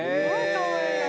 かわいい。